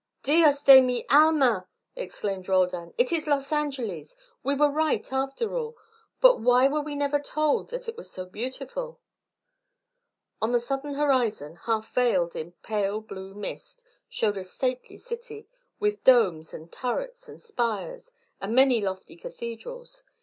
"Dios de mi alma!" exclaimed Roldan. "It is Los Angeles. We were right, after all. But why were we never told that it was so beautiful?" On the southern horizon, half veiled in pale blue mist, showed a stately city, with domes and turrets and spires and many lofty cathedrals.